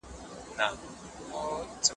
کمزوری بدن ژر ناروغېږي.